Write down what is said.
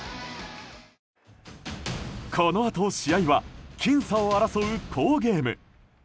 このあと、試合は僅差を争う好ゲーム。